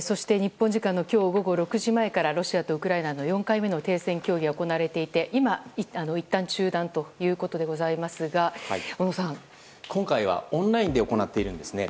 そして日本時間の今日午後６時前からロシアとウクライナの４回目の停戦協議が行われていて今、いったん中断ということでございますが今回はオンラインで行っているんですね。